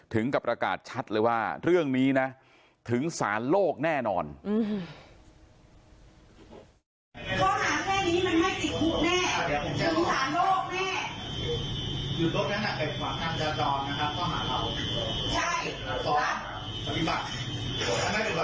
ถึงกับประกาศชัดเลยว่าเรื่องนี้นะถึงสารโลกแน่นอน